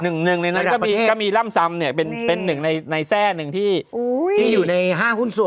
หนึ่งในนั้นก็มีร่ำซำเนี่ยเป็นหนึ่งในแทร่หนึ่งที่อยู่ในห้างหุ้นส่วน